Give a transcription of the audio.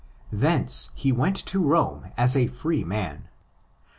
Thence he went to Rome as a free man.